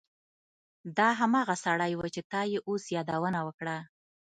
دا هماغه سړی و چې تا یې اوس یادونه وکړه